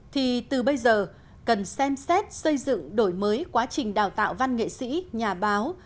thì từ bây giờ cần xem xét xây dựng đổi mới quá trình đào tạo văn nghệ sĩ nhà báo